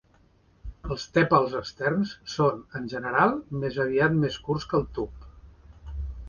Els tèpals externs són en general més aviat més curts que el tub.